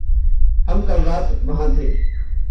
हम कल रात वहाँ थे।